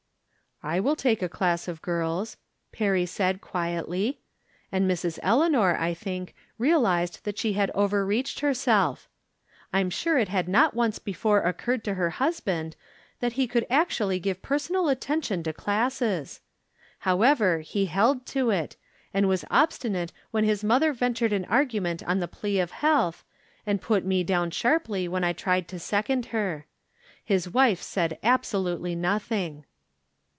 "I will take a class of girls," Perry said, quietly. And JMrs. Eleanor, I think, realized that she had overreached herself. I am sure it had not once before occurred to her husband that 150 From Different Standpoints. lie coiild actually give personal attention to class es. However, lie held to it, and was obstinate when Ilia mother ventured an argument on the plea of health, and put me down sharply when I tried to second her. His wife said absolutely nothing.